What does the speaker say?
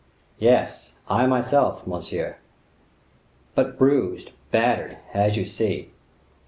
"Yes; I, myself, monsieur! but bruised, battered, as you see."